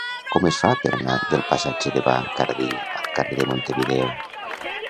Com es fa per anar del passatge de Bacardí al carrer de Montevideo?